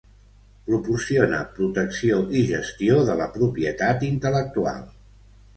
Proporciona protecció i gestió de la propietat intel·lectual.